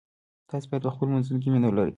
تاسو باید په خپلو منځونو کې مینه ولرئ.